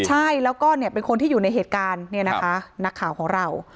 ใช่แล้วก็เนี่ยเป็นคนที่อยู่ในเหตุการณ์เนี่ยนะคะนักข่าวของเรา